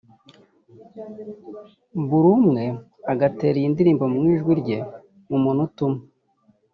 buri umwe agatera iyi ndirimbo mu ijwi rye mu munota umwe